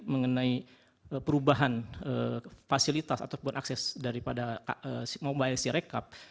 mengenai perubahan fasilitas ataupun akses daripada mobile sirekap